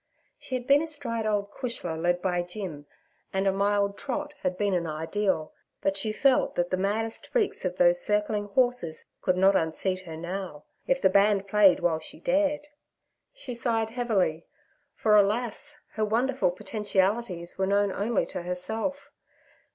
She had been astride old Cushla led by Jim, and a mild trot had been an ideal; but she felt that the maddest freaks of those circling horses could not unseat her now, if the band played while she dared. She sighed heavily, for, alas! her wonderful potentialities were known only to herself.